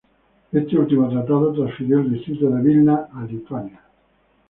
Este último tratado transfirió el distrito de Vilna a Lituania.